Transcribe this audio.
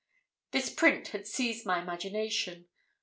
This print had seized my imagination.